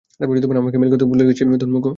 আমাকে মেইল করতে ভুলে গেছিস, ধোনমুখো?